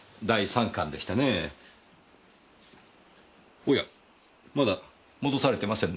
おやまだ戻されてませんね。